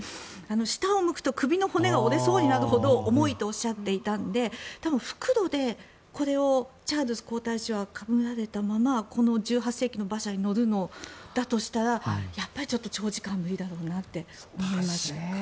下を向くと首の骨が折れそうになるほど重いとおっしゃっていたので多分、復路でこれをチャールズ皇太子は被られたまま１８世紀の馬車に乗るとしたらちょっと長時間は無理だろうなと思います。